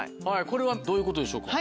これはどういうことでしょうか？